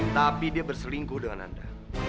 tapi dia berselingkuh dengan anda